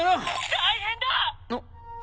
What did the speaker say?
大変だ！